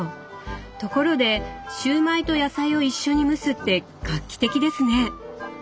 ところでシューマイと野菜を一緒に蒸すって画期的ですね！